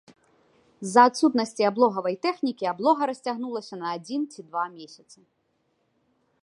З-за адсутнасці аблогавай тэхнікі аблога расцягнулася на адзін ці два месяцы.